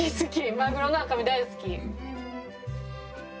マグロの赤身大好き。